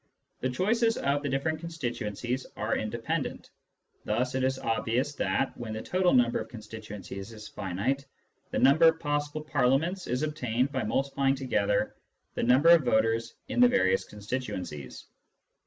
The choices of the different constituencies are independent ; thus it is obvious that, when the total number of constituencies is finite, the number of possible Parliaments is obtained by multiplying together the numbers of voters in the various constituencies.